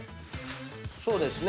そうですね。